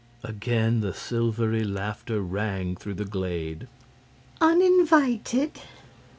Again the silvery laughter rang through the glade. "Uninvited!"